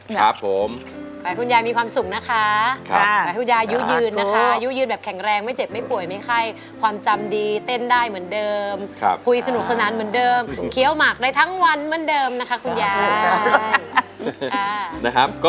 ขอให้คุณยายมีความสุขนะคะขอให้คุณยายุยืนนะคะอายุยืนแบบแข็งแรงไม่เจ็บไม่ป่วยไม่ไข้ความจำดีเต้นได้เหมือนเดิมคุยสนุกสนานเหมือนเดิมเคี้ยวหมักได้ทั้งวันเหมือนเดิมนะคะคุณยาย